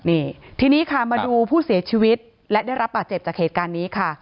นี่ทีนี้ค่ะมาดูผู้เสียชีวิตและได้รับบาดเจ็บจากเหตุการณ์นี้ค่ะ